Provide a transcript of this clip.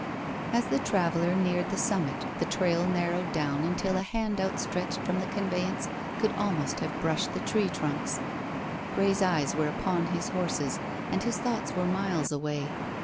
As the traveller neared the summit the trail narrowed down until a hand outstretched from the conveyance could almost have brushed the tree trunks. Grey's eyes were upon his horses and his thoughts were miles away.